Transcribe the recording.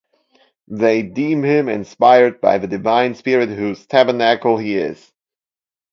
They deem him inspired by the divine spirit whose tabernacle he is.